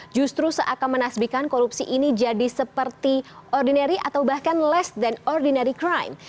justru seakan menasbikan korupsi ini jadi seperti ordinary atau bahkan less dan ordinary crime